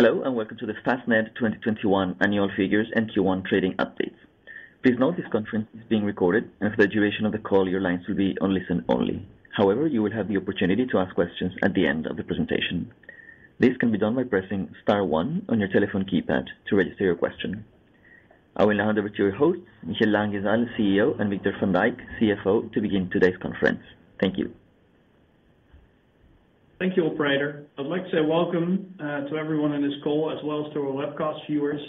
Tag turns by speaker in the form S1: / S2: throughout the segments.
S1: Hello, and welcome to the Fastned 2021 Annual Figures and Q1 Trading Update. Please note this conference is being recorded and for the duration of the call, your lines will be on listen only. However, you will have the opportunity to ask questions at the end of the presentation. This can be done by pressing Star one on your telephone keypad to register your question. I will now hand over to your hosts, Michiel Langezaal, CEO, and Victor van Dijk, CFO, to begin today's conference. Thank you.
S2: Thank you, operator. I'd like to say welcome to everyone on this call, as well as to our webcast viewers.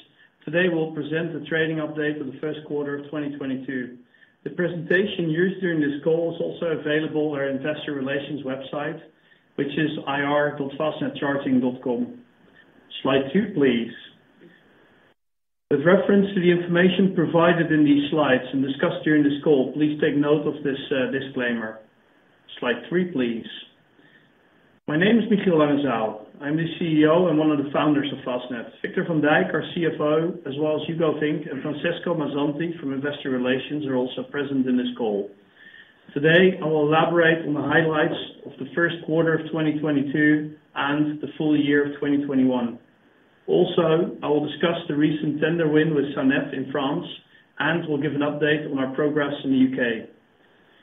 S2: Today, we'll present the trading update for the first quarter of 2022. The presentation used during this call is also available on our investor relations website, which is ir.fastnedcharging.com. Slide 2, please. With reference to the information provided in these slides and discussed during this call, please take note of this disclaimer. Slide 3, please. My name is Michiel Langezaal. I'm the CEO and one of the Founders of Fastned. Victor van Dijk, our CFO, as well as Hugo Vink and Francesco Mazzanti from Investor Relations are also present in this call. Today, I will elaborate on the highlights of the first quarter of 2022 and the full-year of 2021. I will discuss the recent tender win with SANEF in France, and we'll give an update on our progress in the U.K.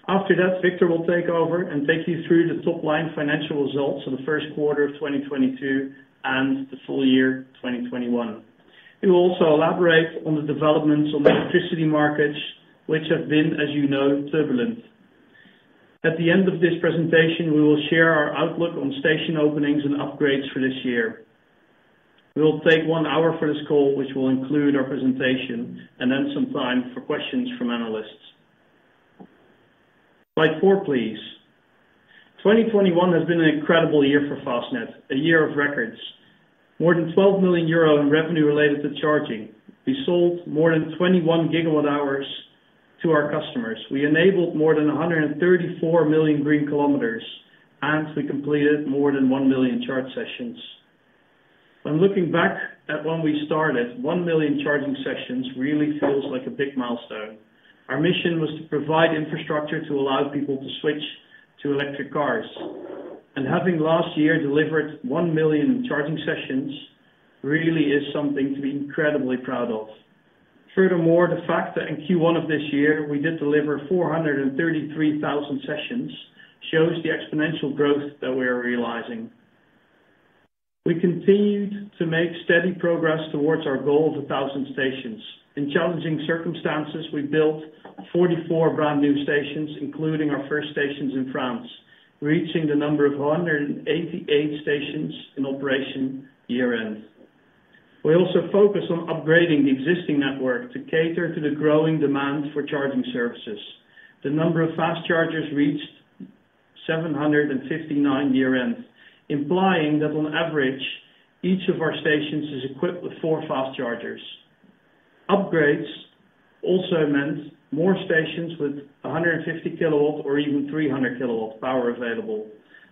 S2: After that, Victor will take over and take you through the top-line financial results for the first quarter of 2022 and the full-year 2021. He will also elaborate on the developments on the electricity markets, which have been, as you know, turbulent. At the end of this presentation, we will share our outlook on station openings and upgrades for this year. We will take one hour for this call, which will include our presentation, and then some time for questions from analysts. Slide 4, please. 2021 has been an incredible year for Fastned, a year of records. More than 12 million euro in revenue related to charging. We sold more than 21 GWh to our customers. We enabled more than 134 million green km, and we completed more than 1 million charge sessions. When looking back at when we started, 1 million charging sessions really feels like a big milestone. Our mission was to provide infrastructure to allow people to switch to electric cars. Having last year delivered 1 million charging sessions really is something to be incredibly proud of. Furthermore, the fact that in Q1 of this year we did deliver 433,000 sessions shows the exponential growth that we are realizing. We continued to make steady progress towards our goal of 1,000 stations. In challenging circumstances, we built 44 brand new stations, including our first stations in France, reaching the number of 188 stations in operation year-end. We also focused on upgrading the existing network to cater to the growing demand for Charging services. The number of fast chargers reached 759 year-end, implying that on average, each of our stations is equipped with four fast chargers. Upgrades also meant more stations with 150 kW or even 300 kW power available.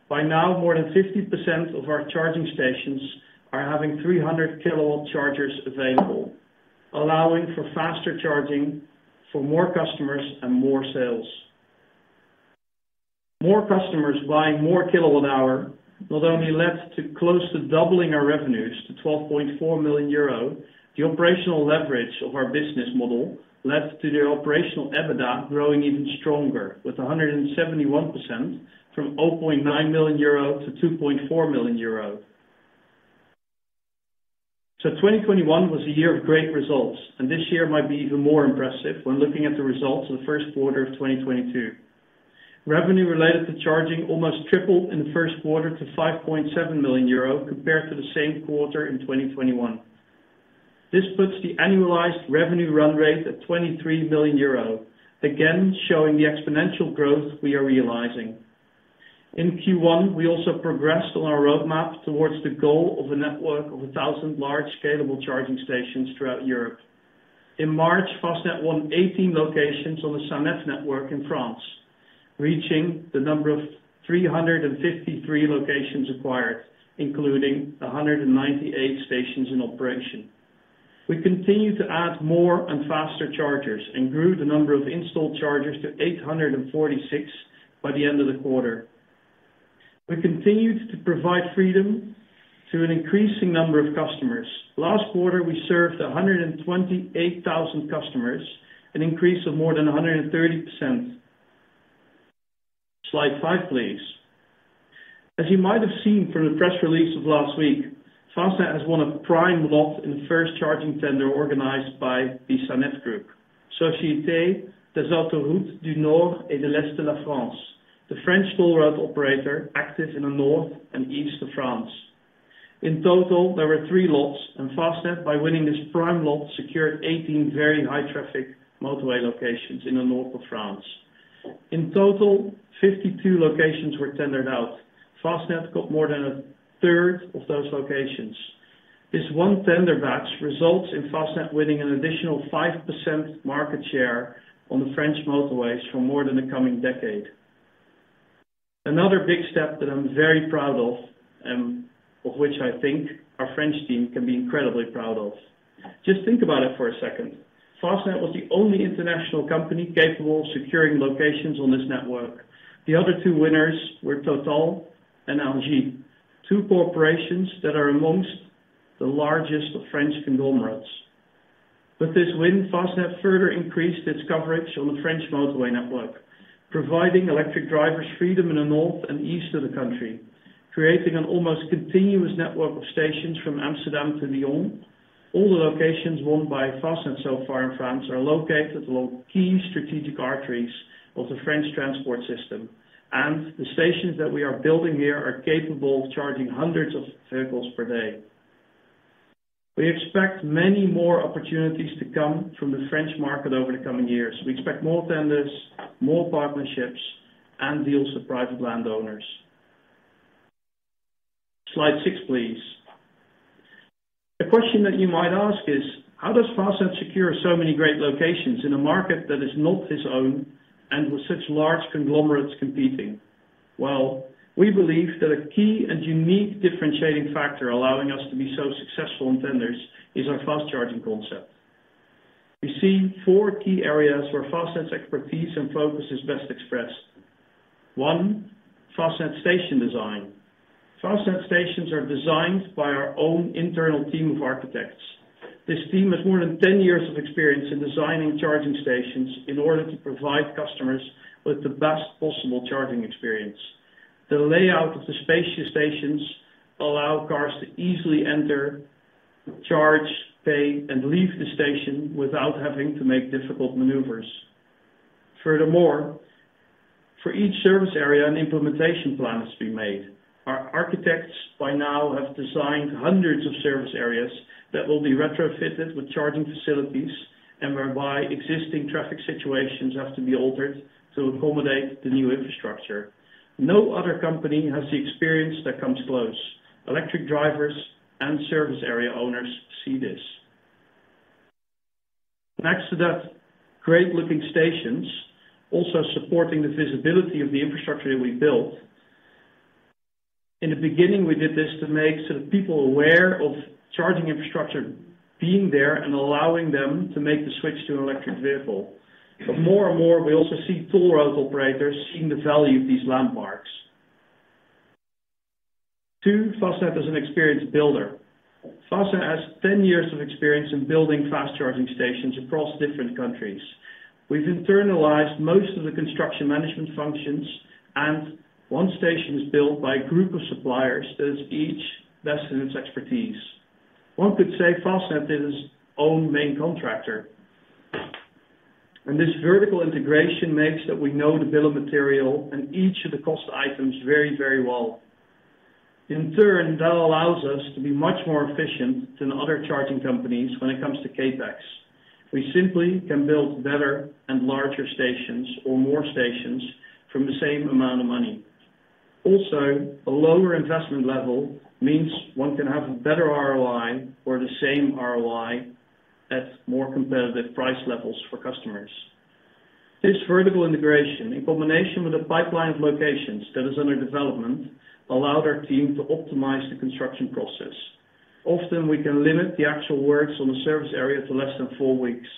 S2: By now, more than 50% of our charging stations are having 300 kW chargers available, allowing for faster charging for more customers and more sales. More customers buying more kWh not only led to close to doubling our revenues to 12.4 million euro, the operational leverage of our business model led to the operational EBITDA growing even stronger with 171% from 0.9 million-2.4 million euro. 2021 was a year of great results, and this year might be even more impressive when looking at the results of the first quarter of 2022. Revenue related to charging almost tripled in the first quarter to 5.7 million euro compared to the same quarter in 2021. This puts the annualized revenue run rate at 23 million euro, again, showing the exponential growth we are realizing. In Q1, we also progressed on our roadmap towards the goal of a network of 1,000 large scalable charging stations throughout Europe. In March, Fastned won 18 locations on the SANEF network in France, reaching the number of 353 locations acquired, including 198 stations in operation. We continued to add more and faster chargers and grew the number of installed chargers to 846 by the end of the quarter. We continued to provide freedom to an increasing number of customers. Last quarter, we served 128,000 customers, an increase of more than 130%. Slide 5, please. As you might have seen from the press release of last week, Fastned has won a prime lot in the first charging tender organized by the SANEF Group, Société des Autoroutes du Nord et de l'Est de la France, the French toll road operator active in the north and east of France. In total, there were three lots, and Fastned, by winning this prime lot, secured 18 very high-traffic motorway locations in the north of France. In total, 52 locations were tendered out. Fastned got more than 1/3 Of those locations. This one tender batch results in Fastned winning an additional 5% market share on the French motorways for more than the coming decade. Another big step that I'm very proud of which I think our French team can be incredibly proud of. Just think about it for a second. Fastned was the only international company capable of securing locations on this network. The other two winners were Total and Engie, two corporations that are among the largest of French conglomerates. With this win, Fastned further increased its coverage on the French motorway network, providing electric drivers freedom in the north and east of the country, creating an almost continuous network of stations from Amsterdam to Lyon. All the locations won by Fastned so far in France are located along key strategic arteries of the French transport system, and the stations that we are building here are capable of charging hundreds of vehicles per day. We expect many more opportunities to come from the French market over the coming years. We expect more tenders, more partnerships, and deals with private landowners. Slide 6, please. The question that you might ask is, how does Fastned secure so many great locations in a market that is not its own and with such large conglomerates competing? Well, we believe that a key and unique differentiating factor allowing us to be so successful in tenders is our fast charging concept. We see four key areas where Fastned's expertise and focus is best expressed. One, Fastned station design. Fastned stations are designed by our own internal team of architects. This team has more than 10 years of experience in designing charging stations in order to provide customers with the best possible charging experience. The layout of the spacious stations allow cars to easily enter, charge, pay, and leave the station without having to make difficult maneuvers. Furthermore, for each service area, an implementation plan is to be made. Our architects by now have designed hundreds of service areas that will be retrofitted with charging facilities and whereby existing traffic situations have to be altered to accommodate the new infrastructure. No other company has the experience that comes close. Electric drivers and service area owners see this. Next to that, great-looking stations also supporting the visibility of the infrastructure that we built. In the beginning, we did this to make sort of people aware of charging infrastructure being there and allowing them to make the switch to an electric vehicle. More and more, we also see toll road operators seeing the value of these landmarks. Two, Fastned is an experienced builder. Fastned has 10 years of experience in building fast charging stations across different countries. We've internalized most of the construction management functions, and one station is built by a group of suppliers that is each vested in its expertise. One could say Fastned is its own main contractor. This vertical integration makes that we know the bill of material and each of the cost items very, very well. In turn, that allows us to be much more efficient than other charging companies when it comes to CapEx. We simply can build better and larger stations or more stations from the same amount of money. Also, a lower investment level means one can have a better ROI or the same ROI at more competitive price levels for customers. This vertical integration, in combination with the pipeline of locations that is under development, allowed our team to optimize the construction process. Often, we can limit the actual works on the service area to less than four weeks.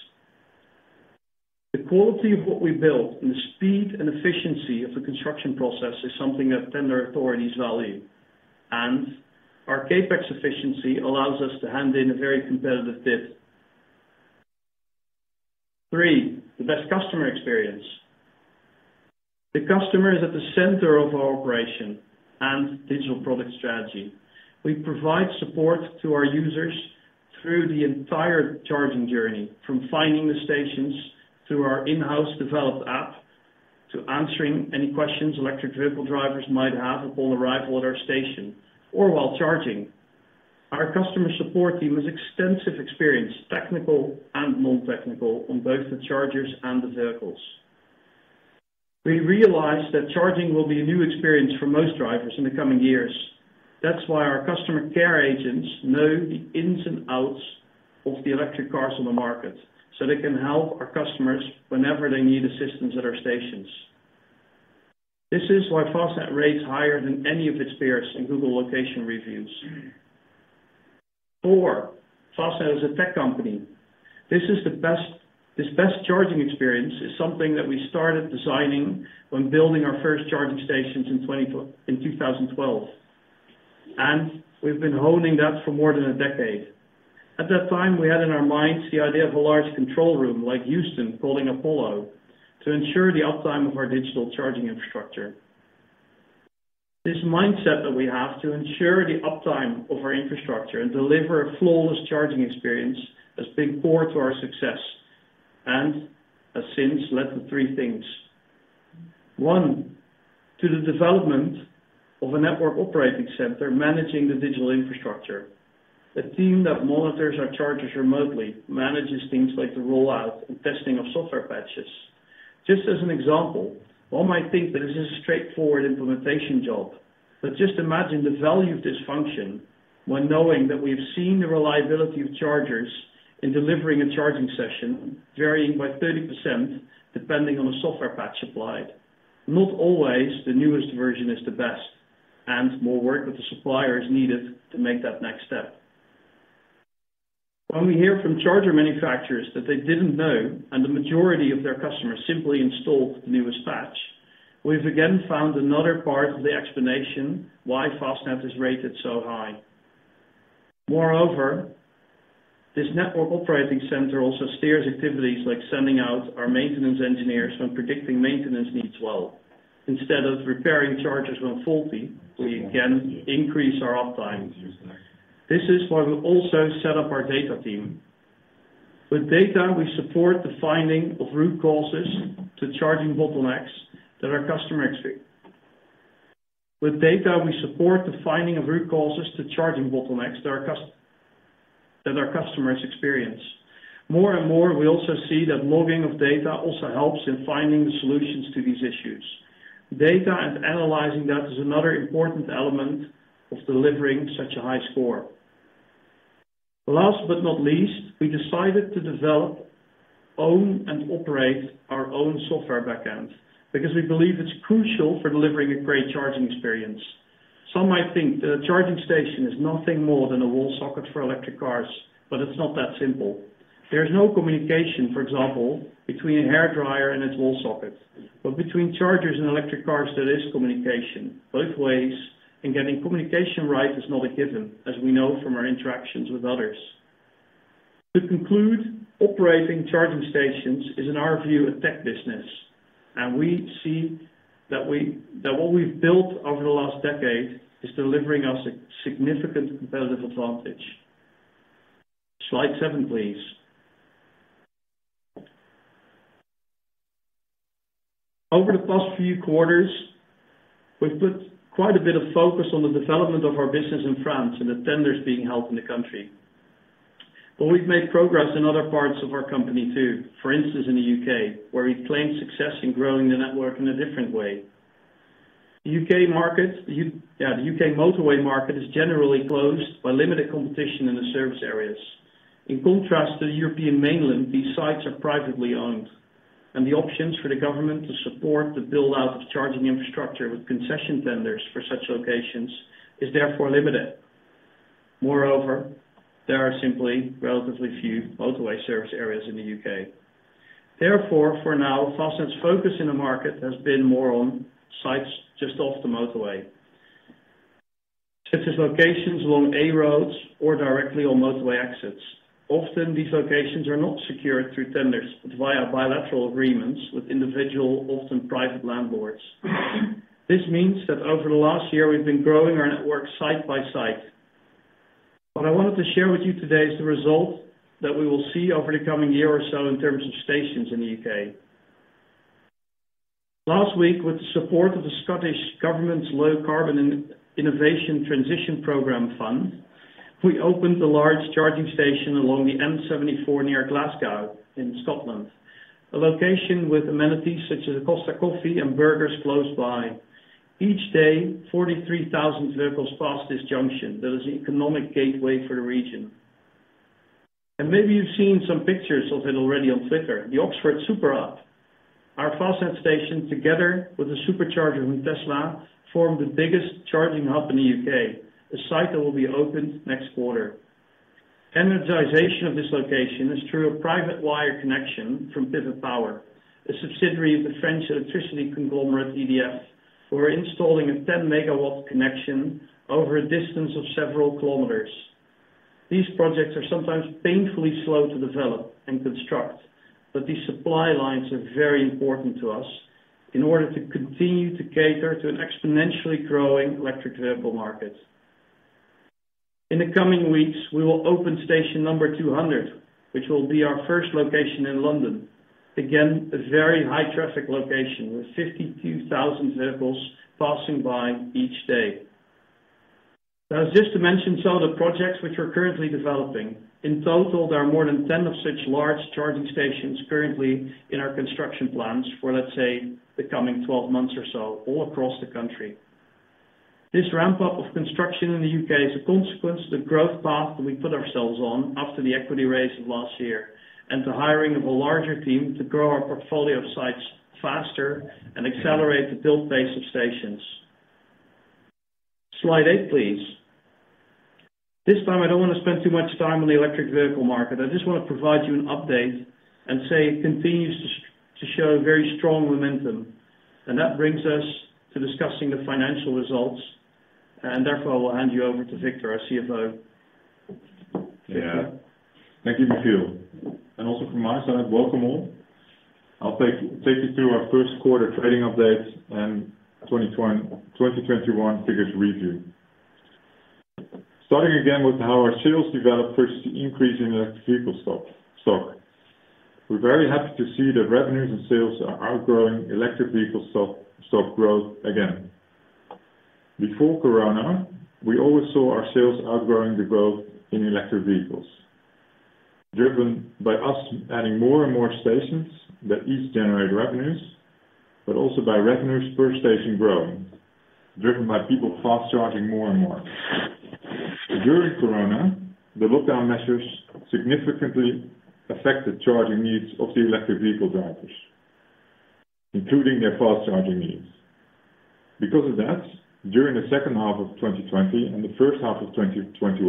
S2: The quality of what we build and the speed and efficiency of the construction process is something that tender authorities value, and our CapEx efficiency allows us to hand in a very competitive bid. Three, the best customer experience. The customer is at the center of our operation and digital product strategy. We provide support to our users through the entire charging journey, from finding the stations, through our in-house developed app, to answering any questions electric vehicle drivers might have upon arrival at our station or while charging. Our customer support team has extensive experience, technical and non-technical, on both the chargers and the vehicles. We realize that charging will be a new experience for most drivers in the coming years. That's why our customer care agents know the ins and outs of the electric cars on the market, so they can help our customers whenever they need assistance at our stations. This is why Fastned rates higher than any of its peers in Google location reviews. Four, Fastned is a tech company. This is the best charging experience is something that we started designing when building our first charging stations in 2012, and we've been honing that for more than a decade. At that time, we had in our minds the idea of a large control room like Houston calling Apollo to ensure the uptime of our digital charging infrastructure. This mindset that we have to ensure the uptime of our infrastructure and deliver a flawless charging experience has been core to our success, and has since led to three things. One, to the development of a network operating center managing the digital infrastructure. The team that monitors our chargers remotely manages things like the rollout and testing of software patches. Just as an example, one might think that this is a straightforward implementation job, but just imagine the value of this function when knowing that we have seen the reliability of chargers in delivering a charging session varying by 30% depending on the software patch applied. Not always the newest version is the best. More work with the supplier is needed to make that next step. When we hear from charger manufacturers that they didn't know, and the majority of their customers simply installed the newest patch, we've again found another part of the explanation why Fastned is rated so high. Moreover, this network operating center also steers activities like sending out our maintenance engineers when predicting maintenance needs well. Instead of repairing chargers when faulty, we again increase our uptime. This is why we also set up our data team. With data, we support the finding of root causes to charging bottlenecks that our customers experience. More and more, we also see that logging of data also helps in finding the solutions to these issues. Data and analyzing that is another important element of delivering such a high score. Last but not least, we decided to develop, own, and operate our own software back end because we believe it's crucial for delivering a great charging experience. Some might think that a charging station is nothing more than a wall socket for electric cars, but it's not that simple. There is no communication, for example, between a hairdryer and its wall socket. Between chargers and electric cars, there is communication both ways, and getting communication right is not a given, as we know from our interactions with others. To conclude, operating charging stations is, in our view, a Tech business, and we see that what we've built over the last decade is delivering us a significant competitive advantage. Slide 7, please. Over the past few quarters, we've put quite a bit of focus on the development of our business in France and the tenders being held in the country. We've made progress in other parts of our company too. For instance, in the U.K., where we've claimed success in growing the network in a different way. The U.K. market, the U.K. motorway market is generally closed by limited competition in the service areas. In contrast to the European mainland, these sites are privately owned, and the options for the government to support the build-out of charging infrastructure with concession tenders for such locations is therefore limited. Moreover, there are simply relatively few motorway service areas in the U.K. Therefore, for now, Fastned's focus in the market has been more on sites just off the motorway, such as locations along A roads or directly on motorway exits. Often, these locations are not secured through tenders but via bilateral agreements with individual, often private landlords. This means that over the last year, we've been growing our network site by site. What I wanted to share with you today is the result that we will see over the coming year or so in terms of stations in the U.K. Last week, with the support of the Scottish Government's Low Carbon Infrastructure Transition Programme fund, we opened a large charging station along the M74 near Glasgow in Scotland, a location with amenities such as a Costa Coffee and burgers close by. Each day, 43,000 vehicles pass this junction that is an economic gateway for the region. Maybe you've seen some pictures of it already on Flickr, the Oxford Superhub. Our Fastned station, together with the supercharger from Tesla, form the biggest charging hub in the U.K., a site that will be opened next quarter. Energization of this location is through a private wire connection from Pivot Power, a subsidiary of the French electricity conglomerate EDF, who are installing a 10 MW connection over a distance of several kilometers. These projects are sometimes painfully slow to develop and construct, but these supply lines are very important to us in order to continue to cater to an exponentially growing electric vehicle market. In the coming weeks, we will open station number 200, which will be our first location in London. Again, a very high traffic location with 52,000 vehicles passing by each day. That was just to mention some of the projects which we're currently developing. In total, there are more than 10 of such large charging stations currently in our construction plans for, let's say, the coming 12 months or so, all across the country. This ramp-up of construction in the U.K. is a consequence of the growth path that we put ourselves on after the equity raise of last year and the hiring of a larger team to grow our portfolio of sites faster and accelerate the build pace of stations. Slide 8, please. This time, I don't wanna spend too much time on the electric vehicle market. I just wanna provide you an update and say it continues to show very strong momentum. That brings us to discussing the financial results, and therefore, I will hand you over to Victor, our CFO. Victor?
S3: Yeah. Thank you, Michiel. Also from my side, welcome all. I'll take you through our first quarter trading update and 2021 figures review. Starting again with how our sales develop versus the increase in electric vehicle stock. We're very happy to see that revenues and sales are outgrowing electric vehicle stock growth again. Before Corona, we always saw our sales outgrowing the growth in electric vehicles, driven by us adding more and more stations that each generate revenues, but also by revenues per station growing, driven by people fast charging more and more. During Corona, the lockdown measures significantly affected charging needs of the electric vehicle drivers, including their fast charging needs. Because of that, during the second half of 2020 and the first half of 2021,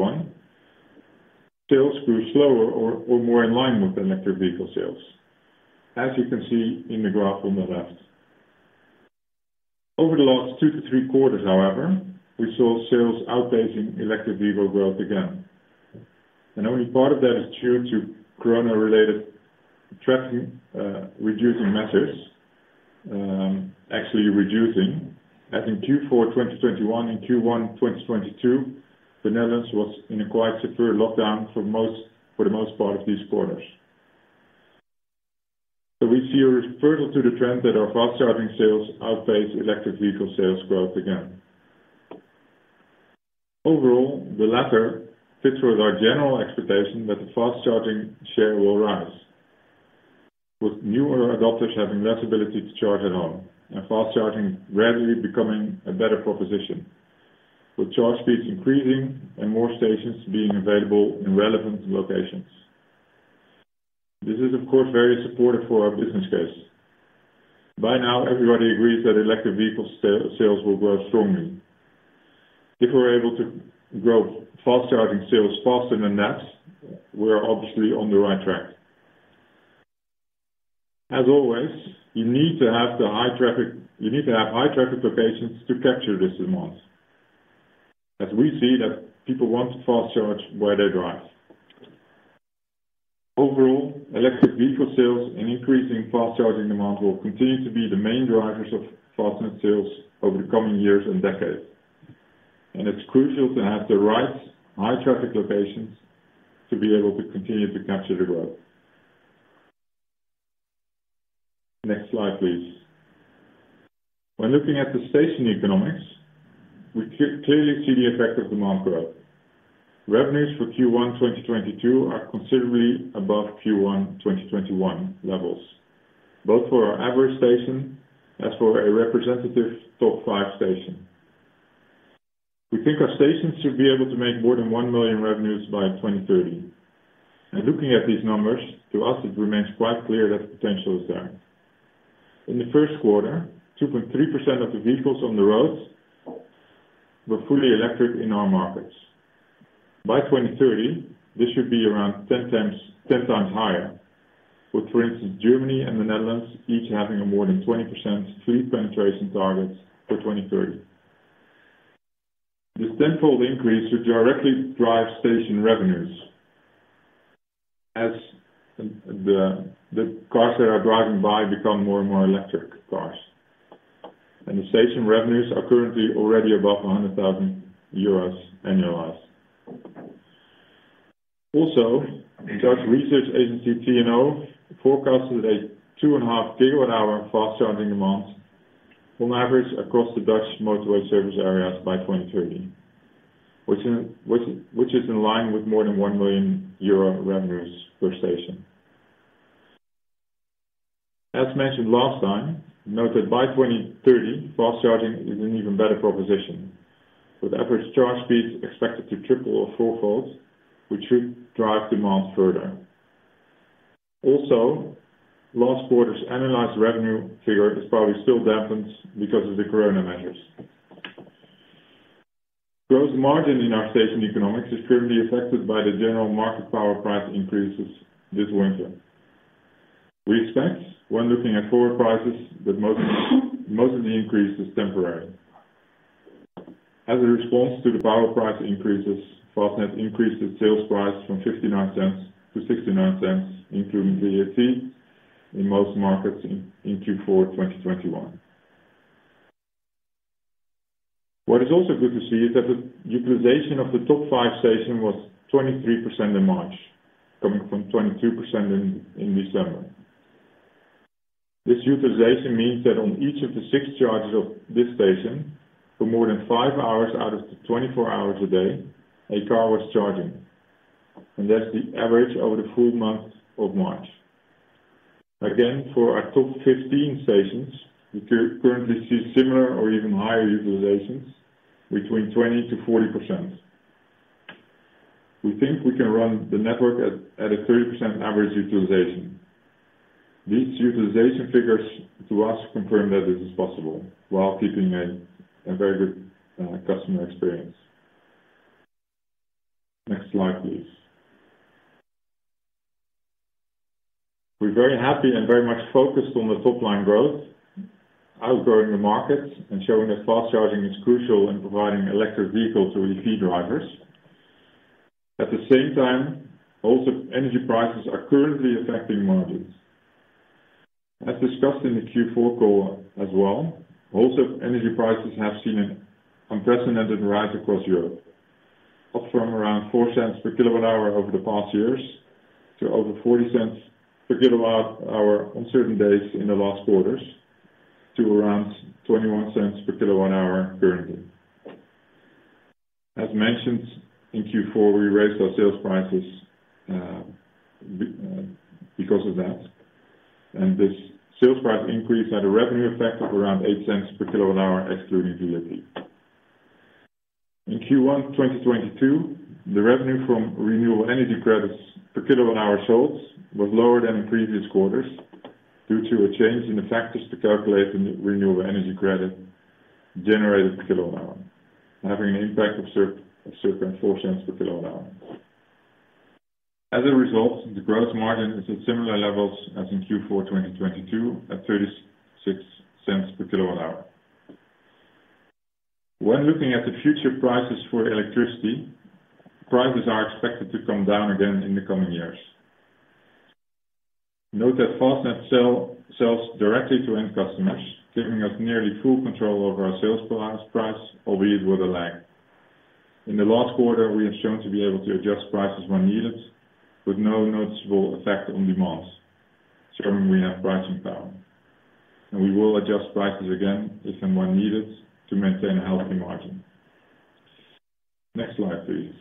S3: sales grew slower or more in line with electric vehicle sales, as you can see in the graph on the left. Over the last two to three quarters, however, we saw sales outpacing electric vehicle growth again. Only part of that is due to corona-related traffic reducing measures, actually reducing. As in Q4 2021 and Q1 2022, the Netherlands was in a quite severe lockdown for the most part of these quarters. We see a return to the trend that our fast charging sales outpaced electric vehicle sales growth again. Overall, the latter fits with our general expectation that the fast charging share will rise. With newer adopters having less ability to charge at home and fast charging readily becoming a better proposition, with charge speeds increasing and more stations being available in relevant locations. This is, of course, very supportive for our business case. By now, everybody agrees that electric vehicle sales will grow strongly. If we're able to grow fast charging sales faster than that, we're obviously on the right track. As always, you need to have high traffic locations to capture this demand, as we see that people want to fast charge where they drive. Overall, electric vehicle sales and increasing fast charging demand will continue to be the main drivers of Fastned sales over the coming years and decades. It's crucial to have the right high traffic locations to be able to continue to capture the growth. Next slide, please. When looking at the station economics, we clearly see the effect of demand growth. Revenues for Q1 2022 are considerably above Q1 2021 levels, both for our average station as for a representative top five station. We think our stations should be able to make more than 1 million revenues by 2030. Looking at these numbers, to us it remains quite clear that the potential is there. In the first quarter, 2.3% of the vehicles on the roads were fully electric in our markets. By 2030, this should be around 10x higher, with for instance, Germany and the Netherlands each having a more than 20% fleet penetration target for 2030. This tenfold increase should directly drive station revenues as the cars that are driving by become more and more electric cars. The station revenues are currently already above 100,000 euros annualized. Dutch research agency TNO forecasted a 2.5 GWh fast charging demand on average across the Dutch motorway service areas by 2030, which is in line with more than 1 million euro revenues per station. As mentioned last time, note that by 2030, fast charging is an even better proposition with average charge speeds expected to triple or fourfold, which should drive demand further. Also, last quarter's analyzed revenue figure is probably still dampened because of the corona measures. Gross margin in our station economics is currently affected by the general market power price increases this winter. We expect when looking at forward prices that most of the increase is temporary. In response to the power price increases, Fastned increased its sales price from 0.59-0.69, including VAT, in most markets in Q4 2021. What is also good to see is that the utilization of the top five station was 23% in March, coming from 22% in December. This utilization means that on each of the six chargers of this station, for more than five hours out of the 24 hours a day, a car was charging, and that's the average over the full month of March. Again, for our top 15 stations, we currently see similar or even higher utilizations between 20%-40%. We think we can run the network at a 30% average utilization. These utilization figures to us confirm that this is possible while keeping a very good customer experience. Next slide, please. We're very happy and very much focused on the top line growth, outgrowing the market and showing that fast charging is crucial in providing electric vehicles or EV drivers. At the same time, wholesale energy prices are currently affecting margins. As discussed in the Q4 call as well, wholesale energy prices have seen an unprecedented rise across Europe, up from around 0.04 per kWh over the past years to over 0.40 per kWh on certain days in the last quarters to around 0.21 per kWh currently. As mentioned, in Q4, we raised our sales prices because of that, and this sales price increase had a revenue effect of around 0.08 per kWh, excluding VAT. In Q1 2022, the revenue from renewable energy credits per kilowatt-hour sold was lower than in previous quarters due to a change in the factors to calculate the renewable energy credit generated per kWh, having an impact of circa 0.04 per kilowatt-hour. As a result, the gross margin is at similar levels as in Q4 2022 at 0.36 per kilowatt-hour. When looking at the future prices for electricity, prices are expected to come down again in the coming years. Note that Fastned sells directly to end customers, giving us nearly full control over our sales price, albeit with a lag. In the last quarter, we have shown to be able to adjust prices when needed, with no noticeable effect on demands, showing we have pricing power. We will adjust prices again if and when needed to maintain a healthy margin. Next slide, please.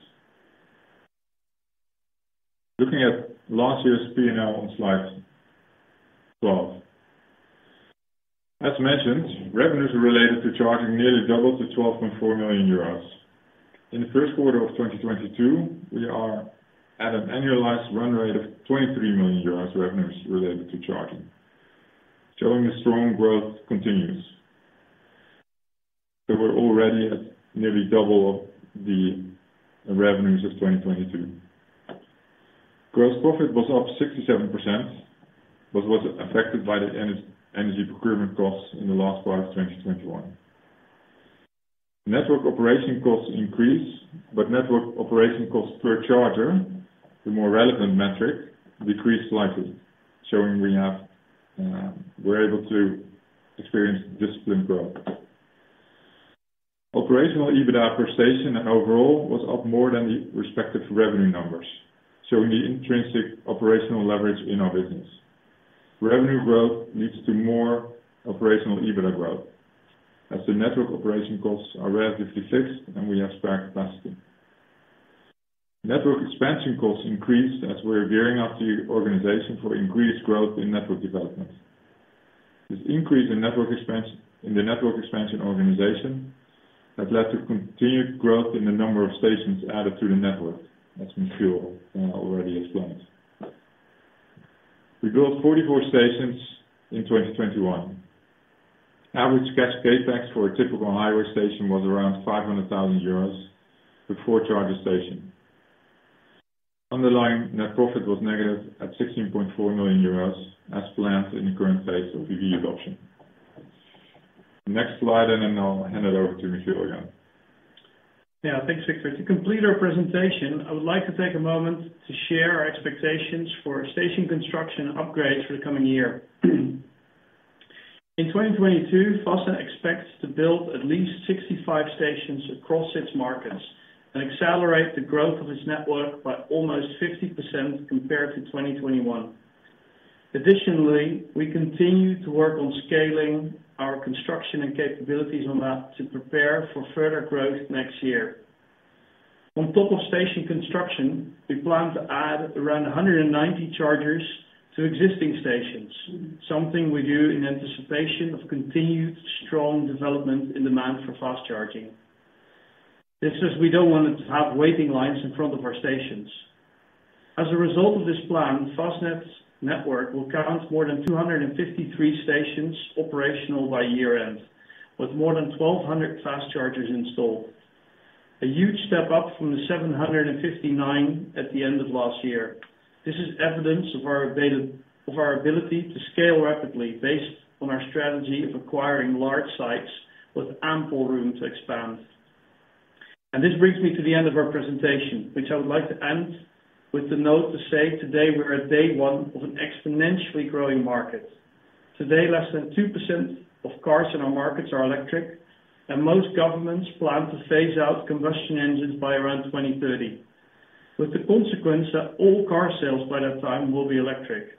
S3: Looking at last year's P&L on Slide 12. As mentioned, revenues related to charging nearly doubled to 12.4 million euros. In the first quarter of 2022, we are at an annualized run rate of 23 million euros revenues related to charging, showing a strong growth continues. We're already at nearly double of the revenues of 2022. Gross profit was up 67%, but was affected by the energy procurement costs in the last part of 2021. Network operating costs increased, but network operating costs per charger, the more relevant metric, decreased slightly, showing we have We're able to experience disciplined growth. Operational EBITDA per station overall was up more than the respective revenue numbers, showing the intrinsic operational leverage in our business. Revenue growth leads to more operational EBITDA growth as the network operating costs are relatively fixed and we have spare capacity. Network expansion costs increased as we're gearing up the organization for increased growth in network development. This increase in network expansion, in the network expansion organization has led to continued growth in the number of stations added to the network, as Michiel already explained. We built 44 stations in 2021. Average cash CapEx for a typical highway station was around 500,000 euros with four charger station. Underlying net profit was negative at 16.4 million euros as planned in the current phase of EV adoption. Next slide, and then I'll hand it over to Michiel again.
S2: Yeah, thanks, Victor. To complete our presentation, I would like to take a moment to share our expectations for station construction and upgrades for the coming year. In 2022, Fastned expects to build at least 65 stations across its markets and accelerate the growth of its network by almost 50% compared to 2021. Additionally, we continue to work on scaling our construction and capabilities on that to prepare for further growth next year. On top of station construction, we plan to add around 190 chargers to existing stations, something we do in anticipation of continued strong development in demand for fast charging. This is, we don't want to have waiting lines in front of our stations. As a result of this plan, Fastned's network will count more than 253 stations operational by year-end, with more than 1,200 fast chargers installed. A huge step up from the 759 at the end of last year. This is evidence of our ability to scale rapidly based on our strategy of acquiring large sites with ample room to expand. This brings me to the end of our presentation, which I would like to end with the note to say today we are at day one of an exponentially growing market. Today, less than 2% of cars in our markets are electric, and most governments plan to phase out combustion engines by around 2030, with the consequence that all car sales by that time will be electric.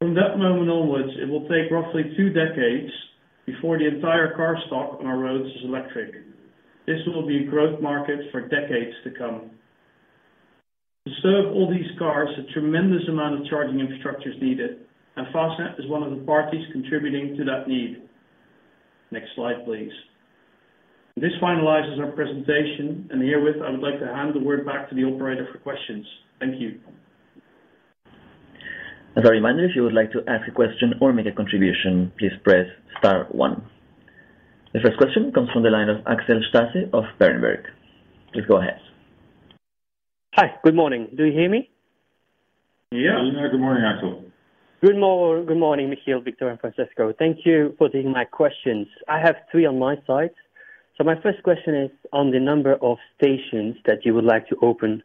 S2: From that moment onwards, it will take roughly two decades before the entire car stock on our roads is electric. This will be a growth market for decades to come. To serve all these cars, a tremendous amount of charging infrastructure is needed, and Fastned is one of the parties contributing to that need. Next slide, please. This finalizes our presentation, and herewith, I would like to hand the word back to the operator for questions. Thank you.
S1: As a reminder, if you would like to ask a question or make a contribution, please press Star one. The first question comes from the line of Axel Stasse of Berenberg. Please go ahead.
S4: Hi. Good morning. Do you hear me?
S2: Yeah.
S3: Good morning, Axel.
S4: Good morning, Michiel, Victor, and Francesco. Thank you for taking my questions. I have three on my side. My first question is on the number of stations that you would like to open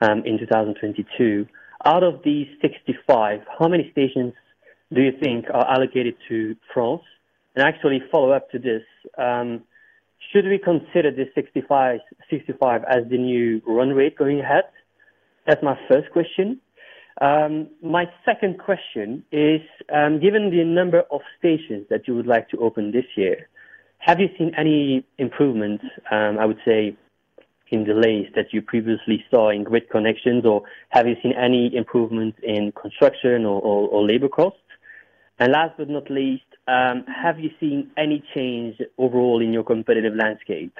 S4: in 2022. Out of these 65, how many stations do you think are allocated to France? Actually follow up to this, should we consider the 65 as the new run rate going ahead? That's my first question. My second question is, given the number of stations that you would like to open this year, have you seen any improvements, I would say in delays that you previously saw in grid connections, or have you seen any improvements in construction or labor costs? Last but not least, have you seen any change overall in your competitive landscape?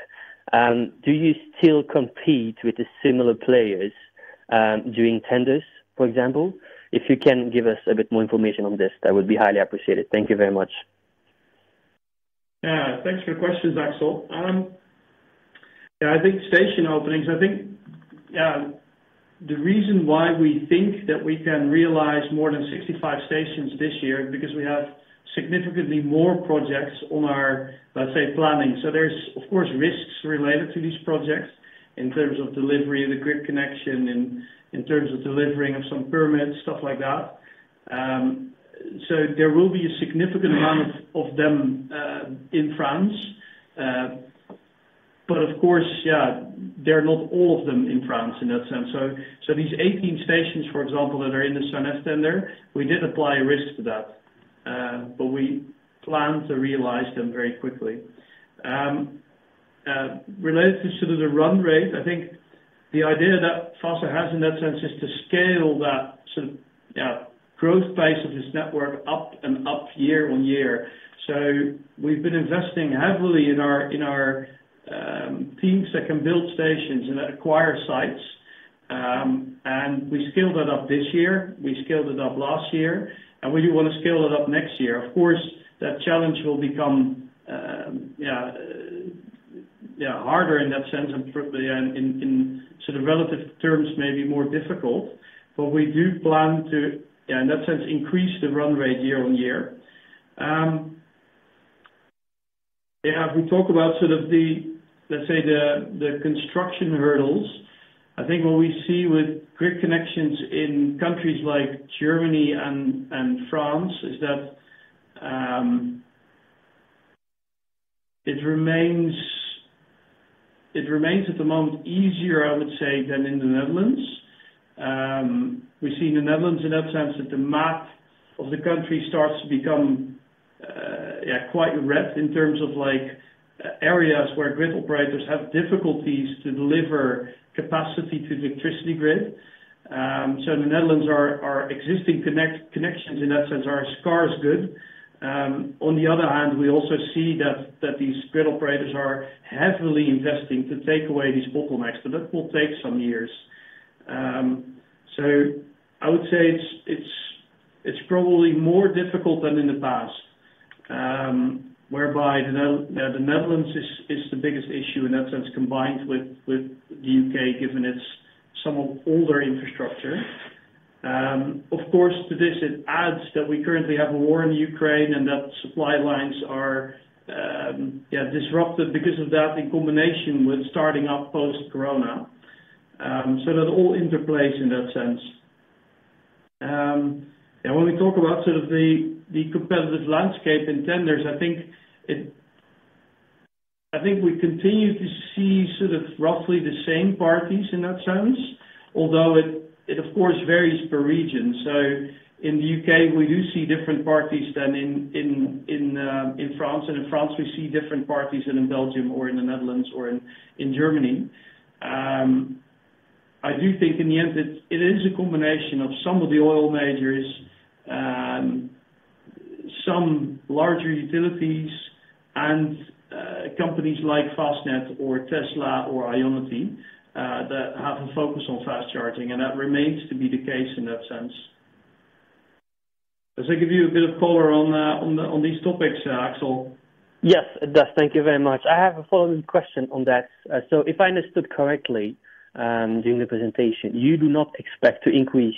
S4: Do you still compete with the similar players during tenders, for example? If you can give us a bit more information on this, that would be highly appreciated. Thank you very much.
S2: Thanks for the questions, Axel. I think station openings. The reason why we think that we can realize more than 65 stations this year, because we have significantly more projects on our, let's say, planning. There's of course risks related to these projects in terms of delivery of the grid connection, in terms of delivering of some permits, stuff like that. There will be a significant amount of them in France. But of course, they're not all of them in France in that sense. These 18 stations, for example, that are in the SANEF tender, we did apply risk to that, but we plan to realize them very quickly. Related to sort of the run rate, I think the idea that Fastned has in that sense is to scale that sort of, yeah, growth pace of this network up and up year-on-year. We've been investing heavily in our teams that can build stations and acquire sites. We scaled that up this year. We scaled it up last year, and we do wanna scale it up next year. Of course, that challenge will become yeah harder in that sense and probably in sort of relative terms, maybe more difficult. We do plan to yeah in that sense increase the run rate year on year. If we talk about sort of the, let's say the construction hurdles, I think what we see with grid connections in countries like Germany and France is that it remains at the moment easier, I would say, than in the Netherlands. We see in the Netherlands in that sense that the map of the country starts to become quite red in terms of like areas where grid operators have difficulties to deliver capacity to the electricity grid. In the Netherlands, our existing connections in that sense are surprisingly good. On the other hand, we also see that these grid operators are heavily investing to take away these bottlenecks, but that will take some years. I would say it's probably more difficult than in the past, whereby the Netherlands is the biggest issue in that sense, combined with the U.K., given its somewhat older infrastructure. Of course, to this, it adds that we currently have a war in Ukraine and that supply lines are disrupted because of that in combination with starting up post-corona. That all interplays in that sense. When we talk about sort of the competitive landscape in tenders, I think we continue to see sort of roughly the same parties in that sense, although it of course varies per region. In the U.K. we do see different parties than in France. In France we see different parties than in Belgium or in the Netherlands or in Germany. I do think in the end it is a combination of some of the oil majors, some larger utilities and companies like Fastned or Tesla or Ionity that have a focus on fast charging, and that remains to be the case in that sense. Does that give you a bit of color on these topics, Axel?
S4: Yes, it does. Thank you very much. I have a follow-up question on that. If I understood correctly, during the presentation, you do not expect to increase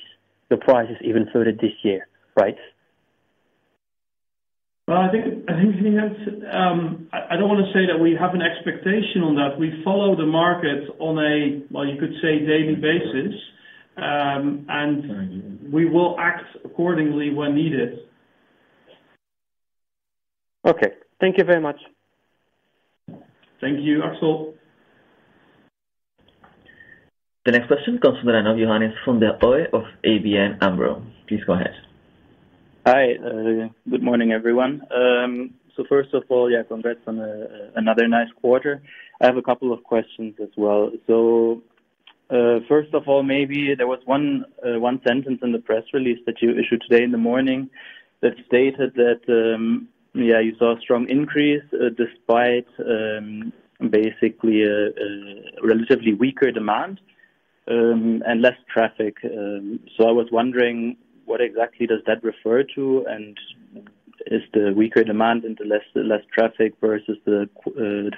S4: the prices even further this year, right?
S2: Well, I think in the end, I don't wanna say that we have an expectation on that. We follow the market on a, well, you could say daily basis. We will act accordingly when needed.
S4: Okay. Thank you very much.
S2: Thank you, Axel.
S1: The next question comes from the line of Johannes Boersma of ABN AMRO. Please go ahead.
S5: Hi. Good morning, everyone. First of all, yeah, congrats on another nice quarter. I have a couple of questions as well. First of all, maybe there was one sentence in the press release that you issued today in the morning that stated that, yeah, you saw a strong increase, despite basically a relatively weaker demand and less traffic. I was wondering what exactly does that refer to, and is the weaker demand and the less traffic versus the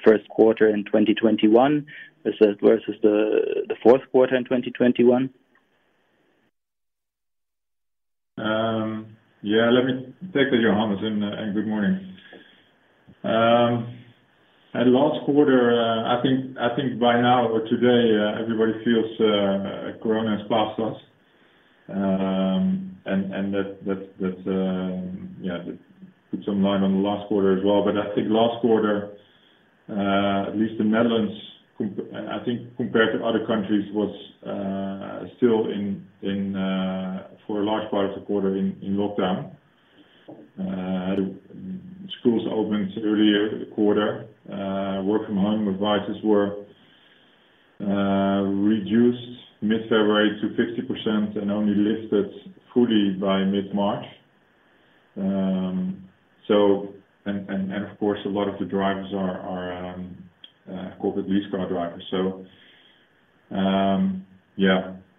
S5: first quarter in 2021 versus the fourth quarter in 2021?
S2: Yeah, let me take that, Johannes, and good morning. In last quarter, I think by now or today, everybody feels corona has passed us. That puts some light on the last quarter as well. I think last quarter, at least in the Netherlands, compared to other countries, was still in lockdown for a large part of the quarter. Schools opened earlier in the quarter. Work from home advice was reduced in mid-February to 50% and only lifted fully by mid-March. Of course, a lot of the drivers are corporate lease car drivers.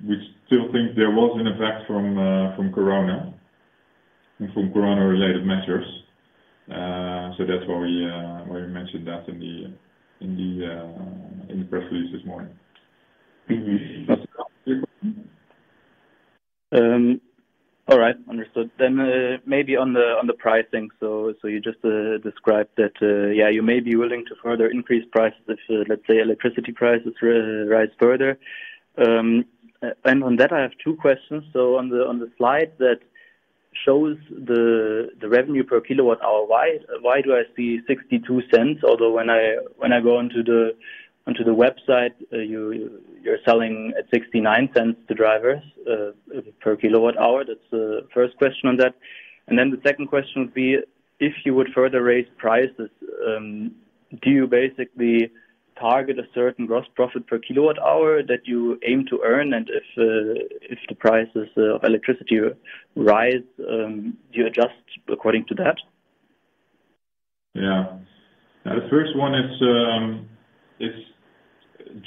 S2: We still think there was an effect from corona and from corona-related measures. That's why we mentioned that in the press release this morning.
S3: That's your question?
S5: All right. Understood. Maybe on the pricing. You just described that you may be willing to further increase prices if electricity prices rise further. On that, I have two questions. On the slide that shows the revenue per kilowatt-hour, why do I see 0.62? Although when I go onto the website, you are selling at 0.69 to drivers per kilowatt-hour. That's the first question on that. The second question would be, if you would further raise prices, do you basically target a certain gross profit per kilowatt-hour that you aim to earn? If the prices of electricity rise, do you adjust according to that?
S3: Yeah. The first one is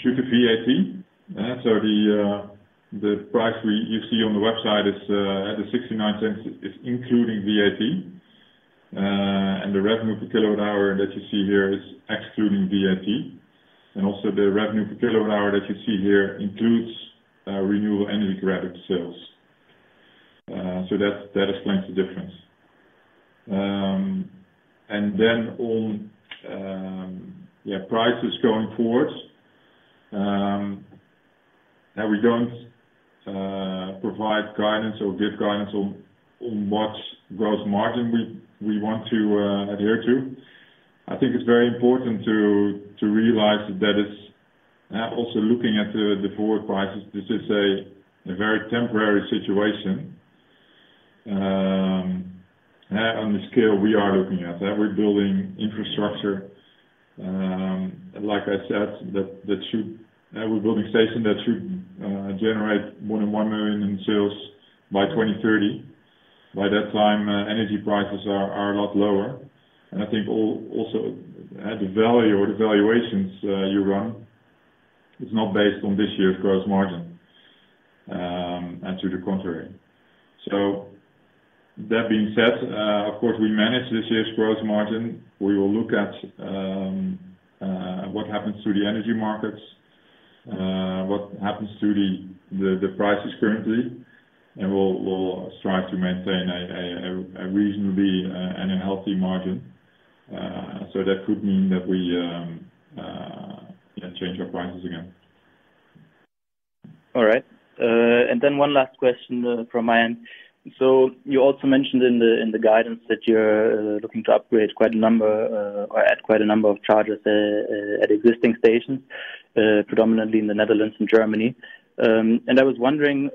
S3: due to VAT. The price you see on the website is at 0.69 including VAT. The revenue per kilowatt-hour that you see here is excluding VAT. The revenue per kilowatt-hour that you see here includes renewable energy credit sales. That explains the difference. On prices going forward, we don't provide guidance or give guidance on what gross margin we want to adhere to. I think it's very important to realize that it's also looking at the forward prices. This is a very temporary situation on the scale we are looking at. That we're building infrastructure like I said that should. We're building stations that should generate more than 1 million in sales by 2030. By that time, energy prices are a lot lower. I think also at the value or the valuations you run, it's not based on this year's gross margin, and to the contrary. That being said, of course, we manage this year's gross margin. We will look at what happens to the energy markets, what happens to the prices currently, and we'll strive to maintain a reasonably and a healthy margin. That could mean that we change our prices again.
S5: All right. One last question from my end. You also mentioned in the guidance that you're looking to upgrade quite a number or add quite a number of chargers at existing stations predominantly in the Netherlands and Germany. I was wondering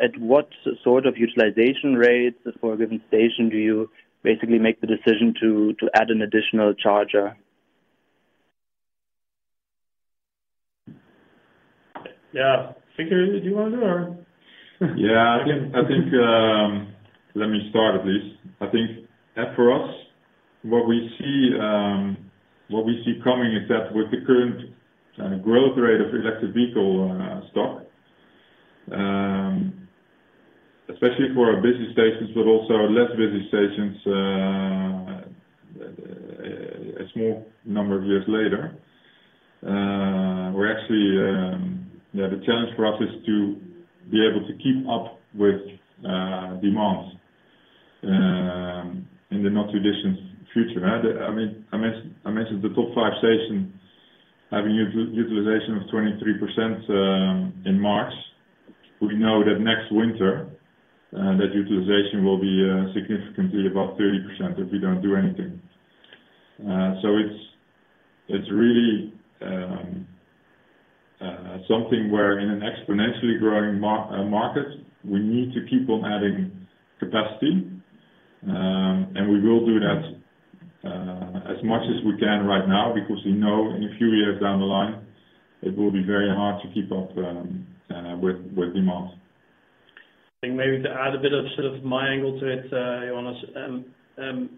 S5: at what sort of utilization rates for a given station do you basically make the decision to add an additional charger?
S2: Yeah. Victor, do you wanna do or?
S3: Yeah. I think, let me start at least. I think, yeah, for us, what we see coming is that with the current growth rate of electric vehicle stock, especially for our busy stations but also our less busy stations, a small number of years later, we're actually. Yeah, the challenge for us is to be able to keep up with demands in the not too distant future. I mean, I mentioned the top five stations having utilization of 23% in March. We know that next winter, that utilization will be significantly above 30% if we don't do anything. It's really something where, in an exponentially growing market, we need to keep on adding capacity. We will do that as much as we can right now because we know in a few years down the line, it will be very hard to keep up with demands.
S2: I think maybe to add a bit of sort of my angle to it, Johannes.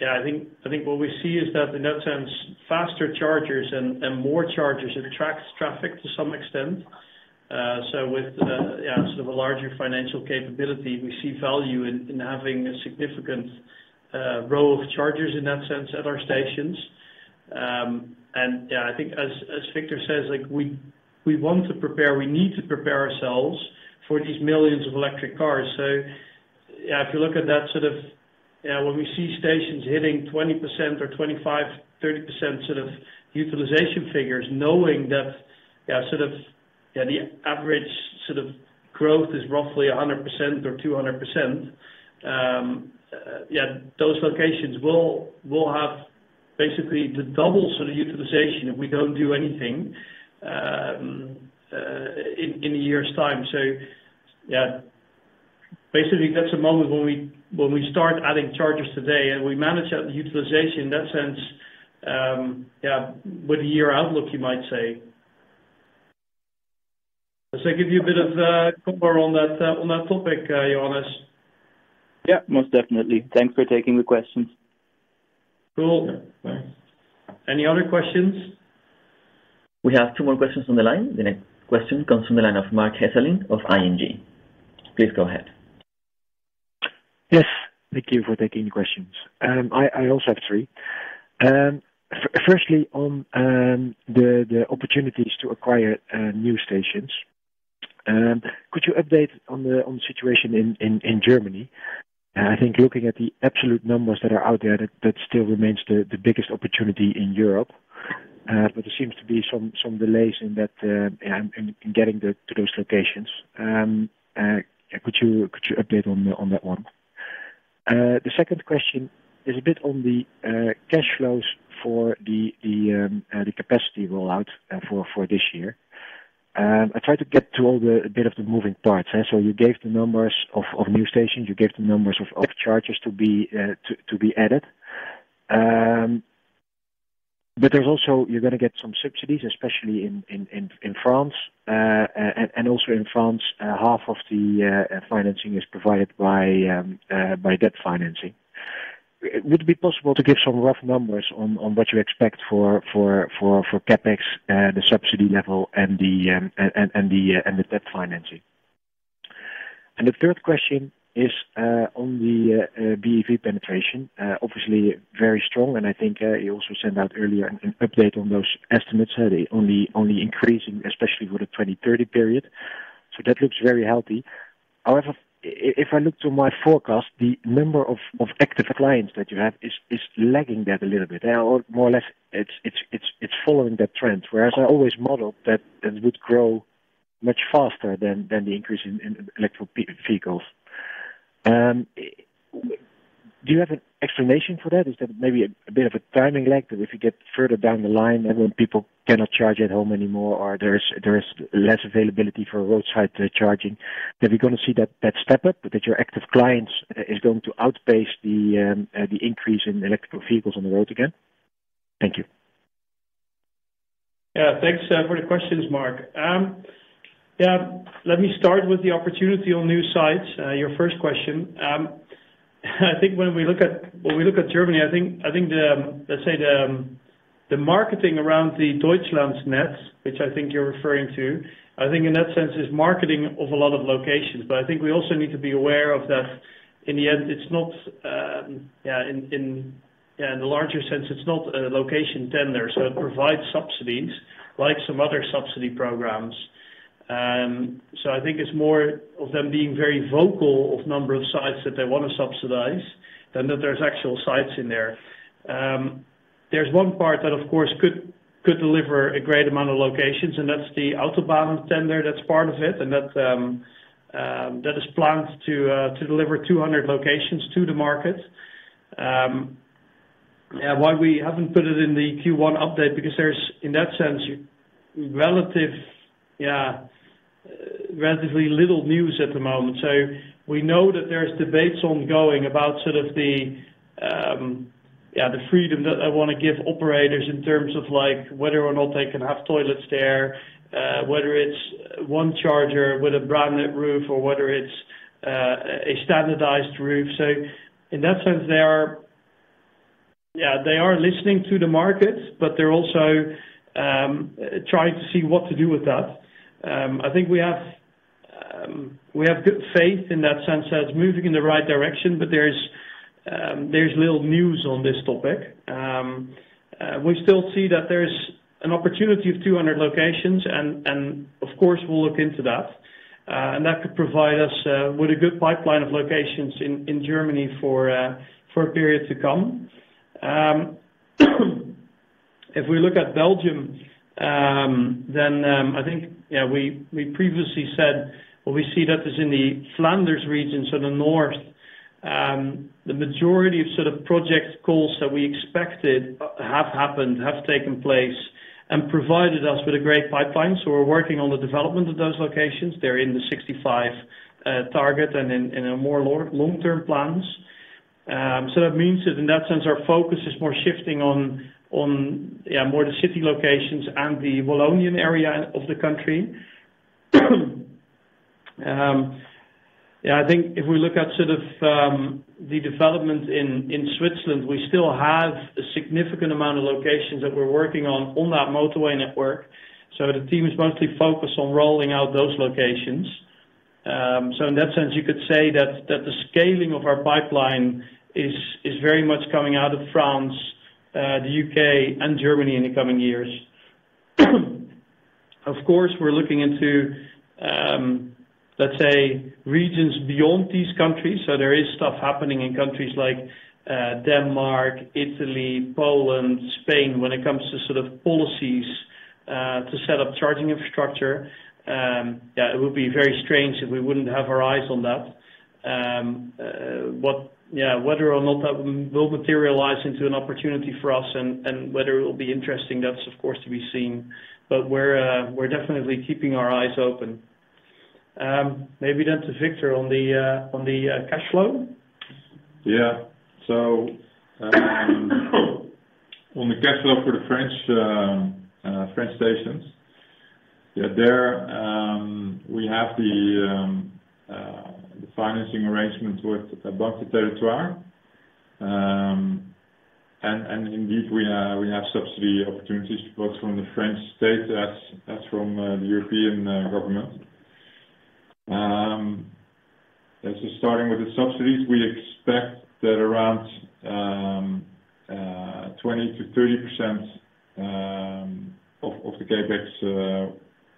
S2: What we see is that in that sense, faster chargers and more chargers, it attracts traffic to some extent. With sort of a larger financial capability, we see value in having a significant row of chargers in that sense at our stations. I think as Victor says, like we want to prepare, we need to prepare ourselves for these millions of electric cars. If you look at that sort of, when we see stations hitting 20% or 25, 30% sort of utilization figures, knowing that, the average sort of growth is roughly 100% or 200%, those locations will have Basically, to double sort of utilization if we don't do anything, in a year's time. Yeah, basically, that's a moment when we start adding chargers today and we manage that utilization in that sense, yeah, with a year outlook, you might say. Does that give you a bit of cover on that topic, Johannes?
S5: Yeah, most definitely. Thanks for taking the questions.
S2: Cool.
S5: Yeah. Bye.
S2: Any other questions?
S1: We have two more questions on the line. The next question comes from the line of Marc Hesselink of ING. Please go ahead.
S6: Yes, thank you for taking the questions. I also have three. Firstly, on the opportunities to acquire new stations. Could you update on the situation in Germany? I think looking at the absolute numbers that are out there, that still remains the biggest opportunity in Europe. But there seems to be some delays in that, in getting to those locations. Could you update on that one? The second question is a bit on the cash flows for the capacity rollout for this year. I tried to get to all the moving parts. You gave the numbers of new stations, you gave the numbers of active chargers to be added. But there's also, you're gonna get some subsidies, especially in France. Also in France, half of the financing is provided by debt financing. Would it be possible to give some rough numbers on what you expect for CapEx, the subsidy level and the debt financing? The third question is on the BEV penetration. Obviously very strong, and I think you also sent out earlier an update on those estimates. Are they only increasing, especially for the 2030 period? That looks very healthy. However, if I look to my forecast, the number of active clients that you have is lagging that a little bit. Or more or less, it's following that trend. Whereas I always model that it would grow much faster than the increase in electric vehicles. Do you have an explanation for that? Is that maybe a bit of a timing lag that if you get further down the line and when people cannot charge at home anymore or there is less availability for roadside charging, that we're gonna see that step up? That your active clients is going to outpace the increase in electric vehicles on the road again? Thank you.
S2: Yeah. Thanks for the questions, Marc. Yeah, let me start with the opportunity on new sites, your first question. I think when we look at Germany, I think the, let's say the marketing around the Deutschlandnetz, which I think you're referring to, I think in that sense is marketing of a lot of locations. I think we also need to be aware of that. In the end, it's not a location tender in the larger sense. It provides subsidies like some other subsidy programs. I think it's more of them being very vocal of number of sites that they wanna subsidize than that there's actual sites in there. There's one part that, of course, could deliver a great amount of locations, and that's the Autobahn tender that's part of it, and that is planned to deliver 200 locations to the market. Why we haven't put it in the Q1 update, because there's, in that sense, relatively little news at the moment. We know that there's debates ongoing about sort of the freedom that they wanna give operators in terms of, like, whether or not they can have toilets there, whether it's one charger with a branded roof or whether it's a standardized roof. In that sense, they are listening to the market, but they're also trying to see what to do with that. I think we have good faith in that sense that it's moving in the right direction, but there is little news on this topic. We still see that there's an opportunity of 200 locations and of course we'll look into that. That could provide us with a good pipeline of locations in Germany for a period to come. If we look at Belgium, then I think yeah we previously said what we see that is in the Flanders region, so the north, the majority of project calls that we expected have happened have taken place and provided us with a great pipeline. We're working on the development of those locations. They're in the 65 target and in a more long-term plans. That means that in that sense, our focus is more shifting on more the city locations and the Wallonia area of the country. I think if we look at the development in Switzerland, we still have a significant amount of locations that we're working on that motorway network. The team is mostly focused on rolling out those locations. In that sense, you could say that the scaling of our pipeline is very much coming out of France, the U.K., and Germany in the coming years. Of course, we're looking into, let's say, regions beyond these countries. There is stuff happening in countries like Denmark, Italy, Poland, Spain, when it comes to sort of policies to set up charging infrastructure. Yeah, it would be very strange if we wouldn't have our eyes on that. Whether or not that will materialize into an opportunity for us and whether it will be interesting, that's of course to be seen. We're definitely keeping our eyes open. Maybe then to Victor on the cash flow.
S3: Yeah. On the cash flow for the French stations. Yeah, there we have the financing arrangement with Banque des Territoires. Indeed we have subsidy opportunities both from the French state as from the European government. As to starting with the subsidies, we expect that around 20%-30% of the CapEx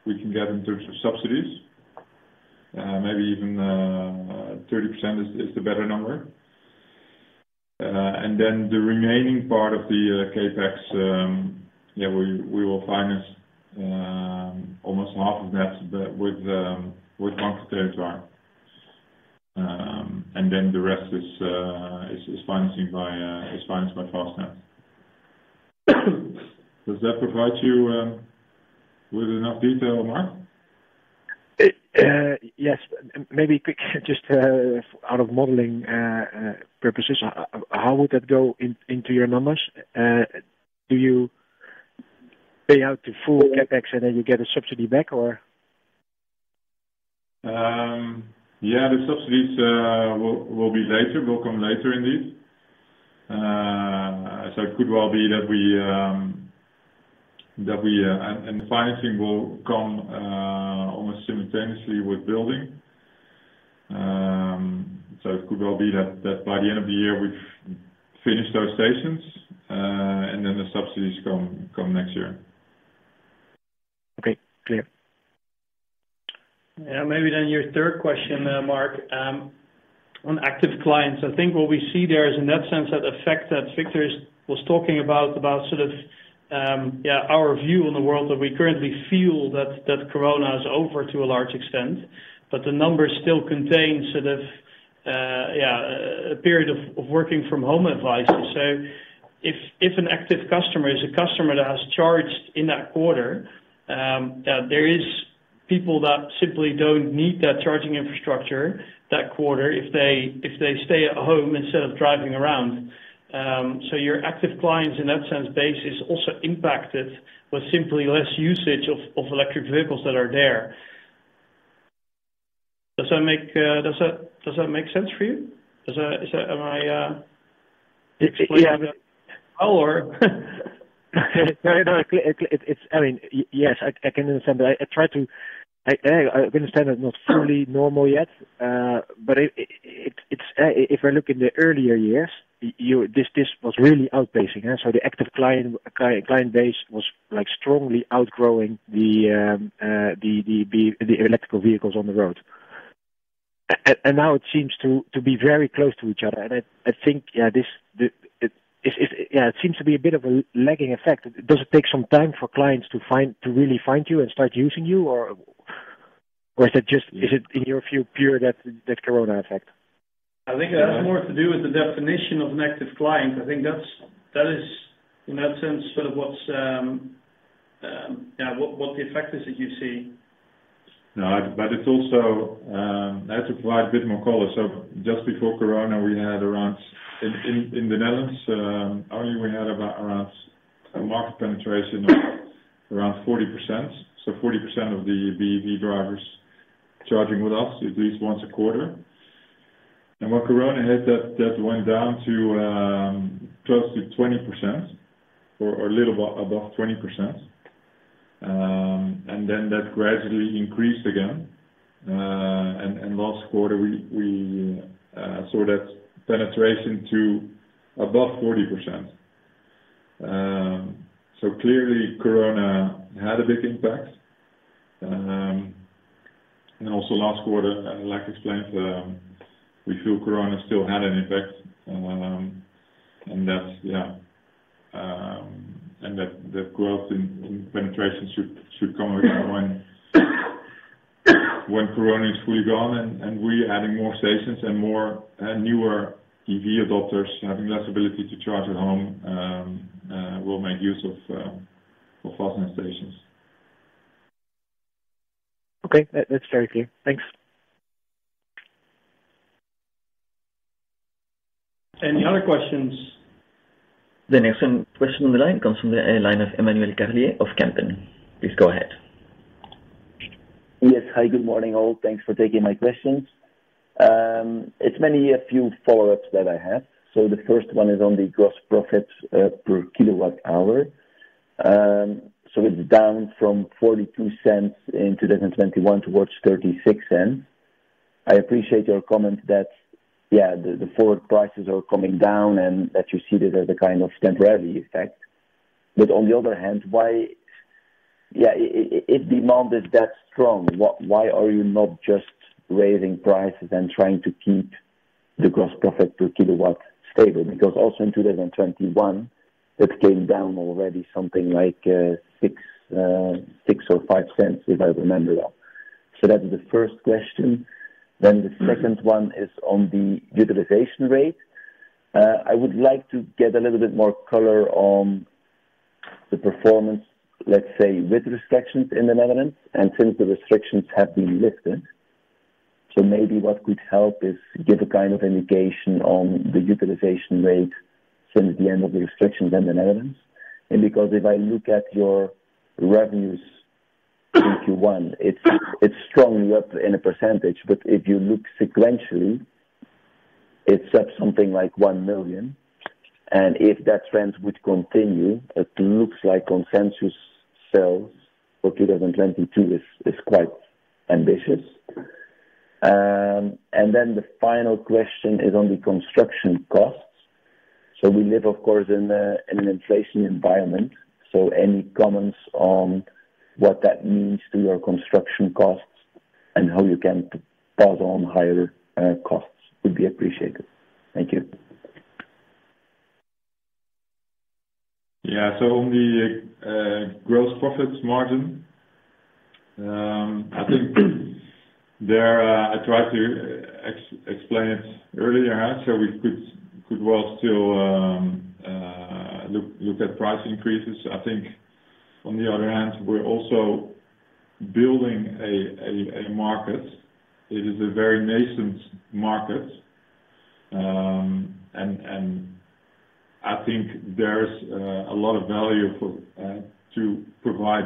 S3: we can get in terms of subsidies. Maybe even 30% is the better number. The remaining part of the CapEx, yeah, we will finance almost half of that with Banque des Territoires. The rest is financed by Fastned. Does that provide you with enough detail, Marc?
S6: Yes. Maybe quick, just, out of modeling purposes, how would that go into your numbers? Do you pay out the full CapEx and then you get a subsidy back or?
S3: The subsidies will be later, will come later indeed. The financing will come almost simultaneously with building. It could well be that by the end of the year, we've finished those stations, and then the subsidies come next year.
S6: Okay. Clear.
S2: Maybe then your third question, Marc, on active clients. I think what we see there is in that sense that effect that Victor was talking about sort of our view on the world that we currently feel that corona is over to a large extent, but the numbers still contain sort of a period of working from home advice. If an active customer is a customer that has charged in that quarter, that there is people that simply don't need that charging infrastructure that quarter if they stay at home instead of driving around. Your active clients in that sense base is also impacted with simply less usage of electric vehicles that are there. Does that make sense for you? Does that. Is that. Am I explaining that?
S6: Yeah.
S2: Or?
S6: No, no. It's, I mean, yes, I can understand. But I understand that it's not fully normal yet, but it's if I look in the earlier years, you this was really outpacing. The active client base was, like, strongly outgrowing the electric vehicles on the road. Now it seems to be very close to each other. I think yeah it seems to be a bit of a lagging effect. Does it take some time for clients to find, to really find you and start using you, or is it just in your view purely the corona effect?
S2: I think it has more to do with the definition of an active client. I think that is in that sense sort of what the effect is that you see.
S3: No, it's also, I have to provide a bit more color. Just before corona, we had around, in the Netherlands, only we had about, around a market penetration of around 40%. 40% of the BEV drivers charging with us at least once a quarter. When corona hit, that went down to, close to 20% or a little above 20%. Then that gradually increased again. Last quarter, we saw that penetration to above 40%. Clearly corona had a big impact. Also last quarter, like I explained, we feel corona still had an impact. That's, yeah. That growth in penetration should come again when corona is fully gone and we adding more stations and more newer EV adopters having less ability to charge at home will make use of Fastned stations.
S6: Okay. That's very clear. Thanks.
S2: Any other questions?
S1: The next question on the line comes from the line of Emmanuel Carlier of Kempen. Please go ahead.
S7: Yes. Hi, good morning, all. Thanks for taking my questions. It's mainly a few follow-ups that I have. The first one is on the gross profits per kilowatt-hour. It's down from 0.42 in 2021 towards 0.36. I appreciate your comment that, yeah, the forward prices are coming down and that you see that as a kind of temporary effect. On the other hand, why, yeah, if demand is that strong, why are you not just raising prices and trying to keep the gross profit per kilowatt stable, because also in 2021, it came down already something like 0.6 Or 0.5, if I remember well. That's the first question. The second one is on the utilization rate. I would like to get a little bit more color on the performance, let's say, with restrictions in the Netherlands and since the restrictions have been lifted. Maybe what could help is give a kind of indication on the utilization rate since the end of the restrictions in the Netherlands. Because if I look at your revenues, Q1, it's strongly up in a percentage, but if you look sequentially, it's up something like 1 million. If that trend would continue, it looks like consensus sales for 2022 is quite ambitious. The final question is on the construction costs. We live, of course, in an inflation environment. Any comments on what that means to your construction costs and how you can pass on higher costs would be appreciated. Thank you.
S3: Yeah. On the gross profit margin, I think I tried to explain it earlier on, so we could well still look at price increases. I think on the other hand, we're also building a market. It is a very nascent market, and I think there's a lot of value to provide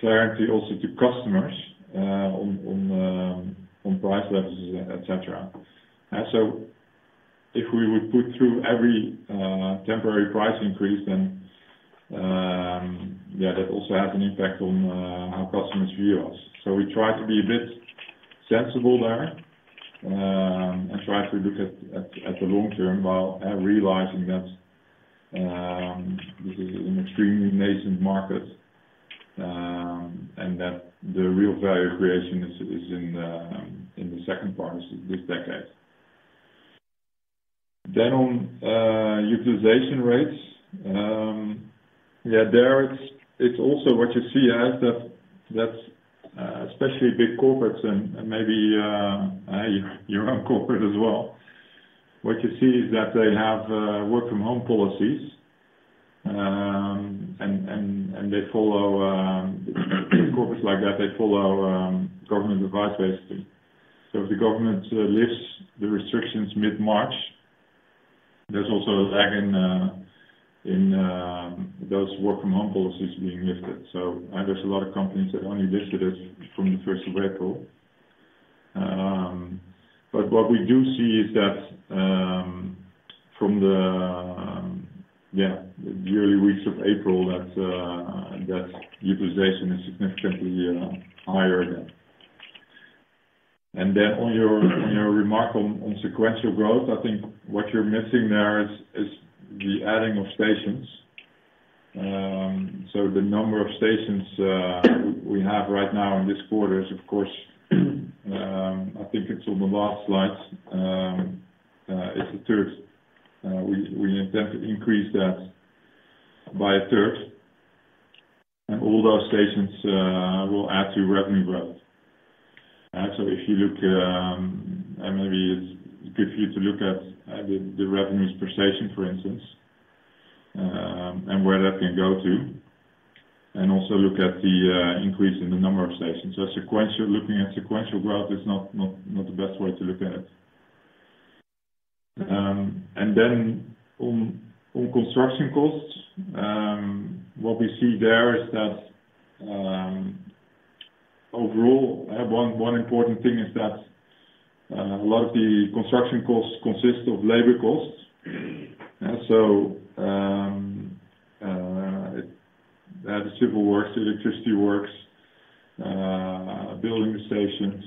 S3: clarity also to customers on price levels, et cetera. If we would put through every temporary price increase, then yeah, that also has an impact on how customers view us. We try to be a bit sensible there, and try to look at the long-term while realizing that this is an extremely nascent market, and that the real value creation is in the second part this decade. On utilization rates. Yeah, there it's also what you see is that that's especially big corporates and maybe your own corporate as well. What you see is that they have work from home policies, and they follow corporates like that, they follow government advice, basically. If the government lifts the restrictions mid-March, there's also a lag in those work from home policies being lifted. And there's a lot of companies that only did this from the first of April. What we do see is that from the early weeks of April that utilization is significantly higher than. On your remark on sequential growth, I think what you're missing there is the adding of stations. The number of stations we have right now in this quarter is, of course, I think it's on the last slide. It's 1/3. We intend to increase that by 1/3. All those stations will add to revenue growth. If you look, and maybe it's good for you to look at the revenues per station, for instance, and where that can go to. Also look at the increase in the number of stations. Sequential looking at sequential growth is not the best way to look at it. Then on construction costs, what we see there is that overall one important thing is that a lot of the construction costs consist of labor costs. The civil works, the electricity works, building the stations.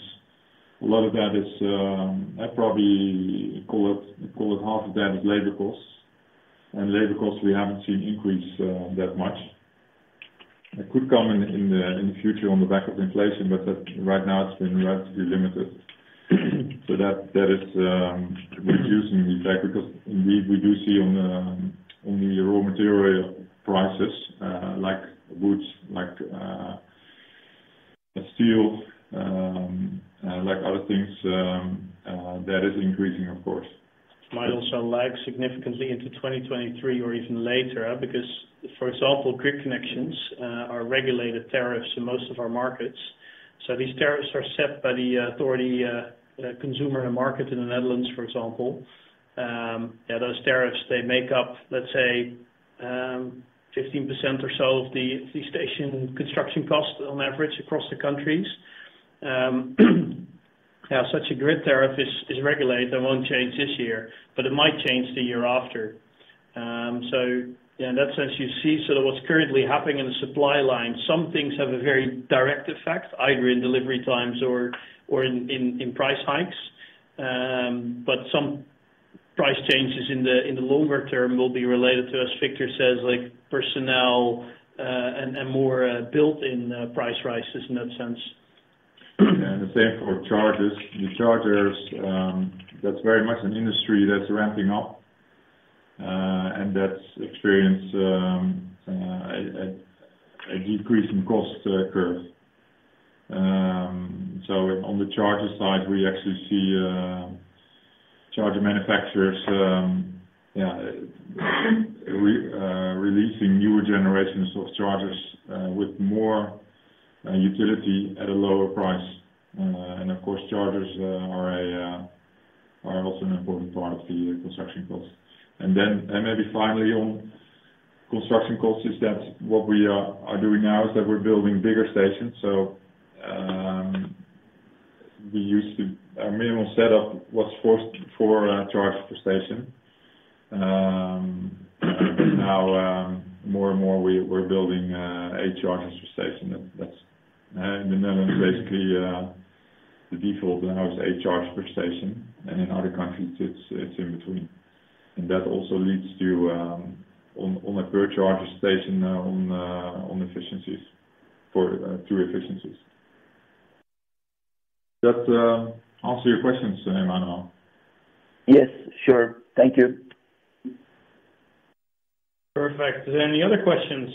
S3: A lot of that is, I probably call it half of that is labor costs. Labor costs, we haven't seen increase that much. It could come in the future on the back of inflation, but right now it's been relatively limited. That is reducing the effect because indeed, we do see on the raw material prices, like wood, like steel, like other things, that is increasing, of course.
S2: It might also lag significantly into 2023 or even later, because for example, grid connections are regulated by tariffs in most of our markets. These tariffs are set by the Authority for Consumers and Markets in the Netherlands, for example. Those tariffs, they make up, let's say, 15% or so of the station construction cost on average across the countries. Such a grid tariff is regulated. It won't change this year, but it might change the year after. In that sense, you see sort of what's currently happening in the supply line. Some things have a very direct effect, either in delivery times or in price hikes. Some price changes in the longer term will be related to, as Victor says, like personnel, and more built-in price rises in that sense.
S3: The same for chargers. The chargers, that's very much an industry that's ramping up, and that's experienced a decrease in cost curve. On the charger side, we actually see charger manufacturers releasing newer generations of chargers with more utility at a lower price. Of course, chargers are also an important part of the construction cost. Maybe finally on construction costs is that what we are doing now is that we're building bigger stations. Our minimum setup was four chargers per station. Now, more and more we're building eight chargers per station. That's in the Netherlands, basically, the default now is eight chargers per station. In other countries, it's in between. That also leads to on a per charging station on efficiencies for two efficiencies. Does that answer your questions, Emmanuel?
S7: Yes, sure. Thank you.
S2: Perfect. Are there any other questions?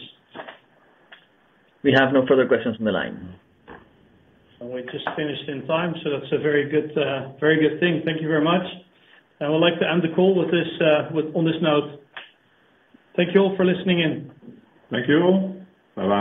S1: We have no further questions on the line.
S2: We just finished in time, so that's a very good thing. Thank you very much. I would like to end the call with this, on this note. Thank you all for listening in.
S3: Thank you. Bye-bye.